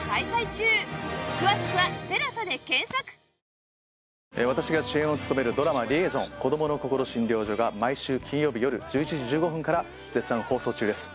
三木道三が私が主演を務めるドラマ『リエゾン−こどものこころ診療所−』が毎週金曜日よる１１時１５分から絶賛放送中です。